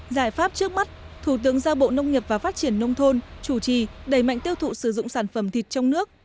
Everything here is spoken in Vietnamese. giải pháp trước mắt thủ tướng giao bộ nông nghiệp và phát triển nông thôn chủ trì đẩy mạnh tiêu thụ sử dụng sản phẩm thịt trong nước